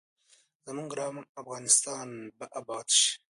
زموږ ګران افغانستان به اباد شي.